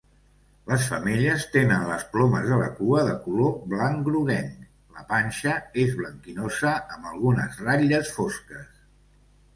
Les femelles tenen les plomes de la cua de color blanc groguenc; la panxa és blanquinosa amb algunes ratlles fosques.